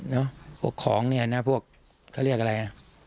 พวกของนี่พวกเขาเรียกอะไร